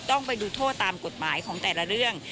ต้องไปดูโทษตามกฎหมายของแต่ละเรื่อง